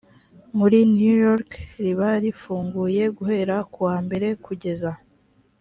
muri new york riba rifunguye guhera kuwa mbere kugeza